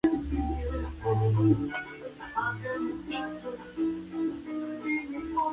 La mayor parte del río Negro se localiza en tierras indígenas.